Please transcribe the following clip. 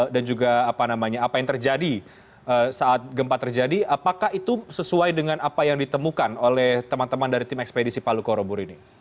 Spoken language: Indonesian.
dan juga apa namanya apa yang terjadi saat gempa terjadi apakah itu sesuai dengan apa yang ditemukan oleh teman teman dari tim ekspedisi palu koro bu rini